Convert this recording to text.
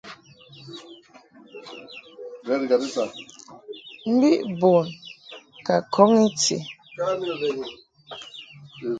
Mbi bun ka kɔn I ti.